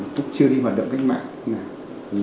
cũng chưa đi hoạt động cách mạng